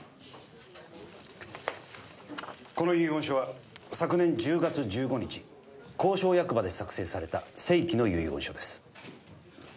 この遺言書は昨年１０月１５日公証役場で作成された正規の遺言書です。